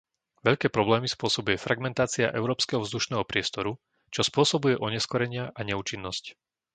Veľké problémy spôsobuje fragmentácia európskeho vzdušného priestoru, čo spôsobuje oneskorenia a neúčinnosť.